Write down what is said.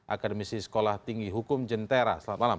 akademisi sekolah tinggi hukum jentera selamat malam